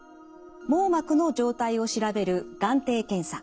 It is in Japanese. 網膜の状態を調べる眼底検査。